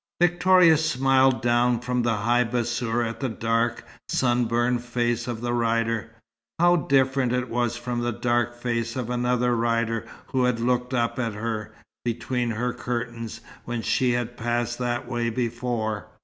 Victoria smiled down from the high bassour at the dark, sunburnt face of the rider. How different it was from the dark face of another rider who had looked up at her, between her curtains, when she had passed that way before!